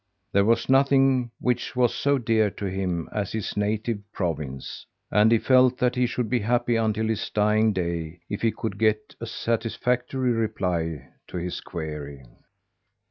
There was nothing which was so dear to him as his native province, and he felt that he should be happy until his dying day if he could get a satisfactory reply to his query.